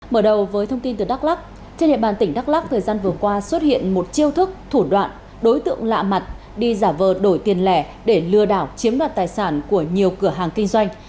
mở đầu với thông tin từ đắk lắc trên địa bàn tỉnh đắk lắc thời gian vừa qua xuất hiện một chiêu thức thủ đoạn đối tượng lạ mặt đi giả vờ đổi tiền lẻ để lừa đảo chiếm đoạt tài sản của nhiều cửa hàng kinh doanh